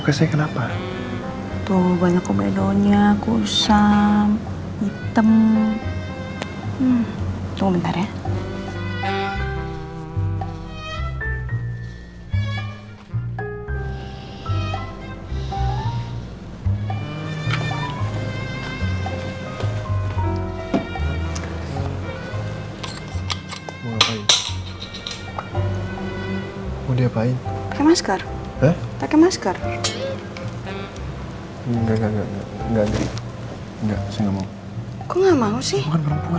kok gak mau sih